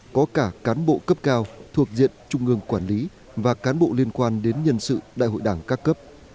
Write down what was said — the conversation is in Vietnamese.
có cả cán bộ cấp cao thuộc diện trung ương quản lý và cán bộ liên quan đến nhân sự đại hội đảng các cấp